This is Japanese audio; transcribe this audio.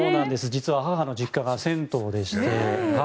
実は母の実家が銭湯でして。